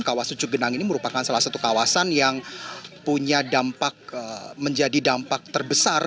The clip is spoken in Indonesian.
kawasan cugenang ini merupakan salah satu kawasan yang punya dampak menjadi dampak terbesar